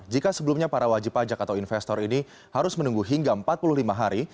jika sebelumnya para wajib pajak atau investor ini harus menunggu hingga empat puluh lima hari